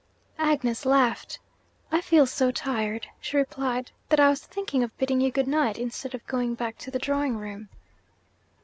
Agnes laughed. 'I feel so tired,' she replied, 'that I was thinking of bidding you good night, instead of going back to the drawing room.'